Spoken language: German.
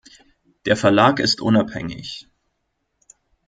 Der Verlag ist unabhängig.